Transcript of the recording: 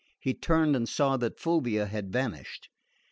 He turned and saw that Fulvia had vanished.